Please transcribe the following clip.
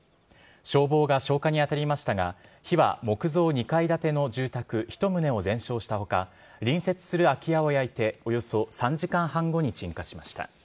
消防が消火に当たりましたが、火は木造２階建ての住宅１棟を全焼したほか、隣接する空き家を焼いて、およそ３時間半後に鎮火しました。